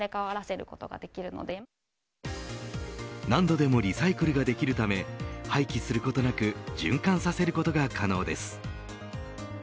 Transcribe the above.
何度でもリサイクルができるため廃棄することなく循環させることが可能です。